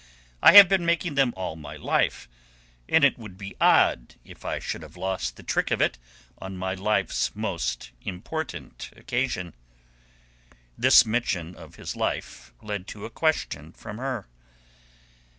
"I have been making them all my life, and it would be odd if I should have lost the trick of it on my life's most important occasion." This mention of his life led to a question from her.